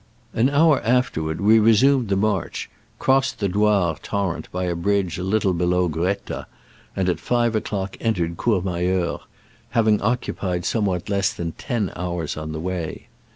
An hour after ward we resumed the march, crossed the Doire torrent by a bridge a little below Gruetta, and at five o'clock entered Cour mayeur, having occupied somewhat less than ten hours on the way.